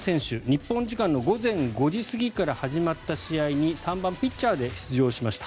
日本時間の午前５時過ぎから始まった試合に３番ピッチャーで出場しました。